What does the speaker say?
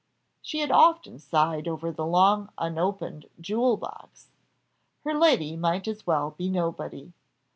She had often sighed over the long unopened jewel box. Her lady might as well be nobody.